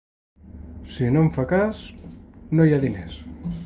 Si no en fa cas… no hi ha diners.